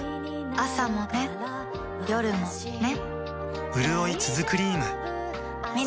朝もね、夜もね